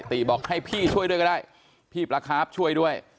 ติบอกให้พี่ช่วยด้วยก็ได้พี่ปลาครับช่วยด้วย